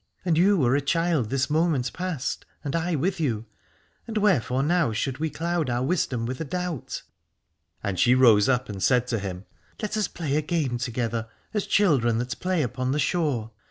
And you were a child this moment past, and I with you : and wherefore now should we cloud our wisdom with a doubt ? And she 320 ^ Aladore rose up and said to him : Let us play a game together, as children that play upon the shore.